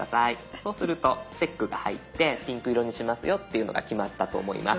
そうするとチェックが入ってピンク色にしますよっていうのが決まったと思います。